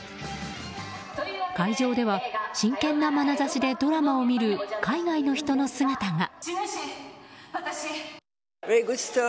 会場では真剣なまなざしでドラマを見る海外の人の姿が。